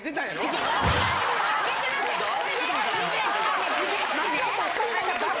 違う！